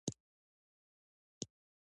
افغانستان کې د اوښ په اړه زده کړه کېږي.